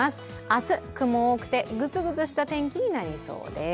明日、雲多くて、ぐずぐずした天気になりそうです。